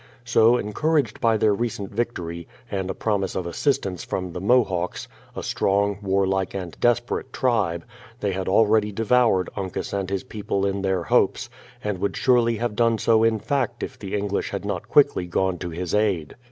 So, encouraged by their recent victory, and by a promise of assistance from the Mohawks — a strong, warlike, and desperate tribe, — they had already devoured Uncas and his people in tlieir hopes, and would surely have done so in fact if the English had not quickly gone to his aid.